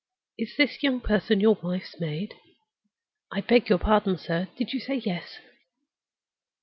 Is this young person your wife's maid? I beg your pardon, sir, did you say yes?